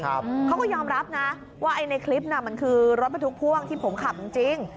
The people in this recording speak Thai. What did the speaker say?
เขาก็ยอมรับนะว่าไอ้ในคลิปน่ะมันคือรถบรรทุกพ่วงที่ผมขับจริง